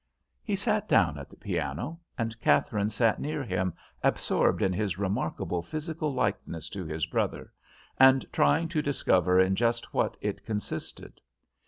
He sat down at the piano, and Katharine sat near him, absorbed in his remarkable physical likeness to his brother, and trying to discover in just what it consisted.